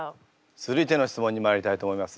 続いての質問にまいりたいと思います。